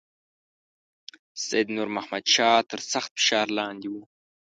سید نور محمد شاه تر سخت فشار لاندې وو.